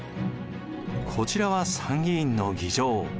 こちらは参議院の議場。